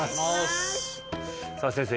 さあ先生